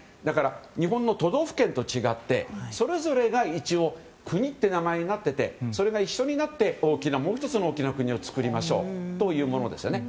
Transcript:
だから、日本の都道府県と違ってそれぞれが一応国という名前になっていてそれが一緒になって大きなもう１つの国を作りましょうというものです。